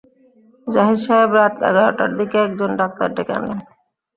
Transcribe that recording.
জাহিদ সাহেব রাত এগারটার দিকে একজন ডাক্তার ডেকে আনলেন।